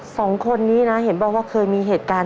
สองคนนี้นะเห็นบอกว่าเคยมีเหตุการณ์